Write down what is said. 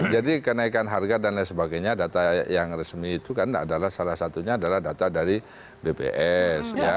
jadi kenaikan harga dan lain sebagainya data yang resmi itu kan adalah salah satunya adalah data dari bps